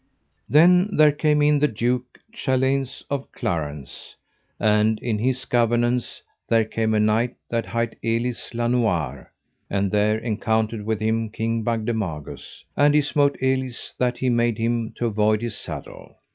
Then there came in the Duke Chaleins of Clarance; and in his governance there came a knight that hight Elis la Noire; and there encountered with him King Bagdemagus, and he smote Elis that he made him to avoid his saddle.